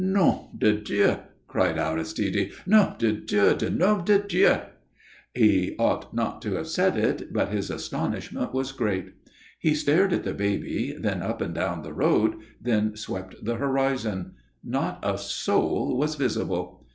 "Nom de Dieu!" cried Aristide. "Nom de Dieu de nom de Dieu!" He ought not to have said it, but his astonishment was great. He stared at the baby, then up and down the road, then swept the horizon. Not a soul was visible.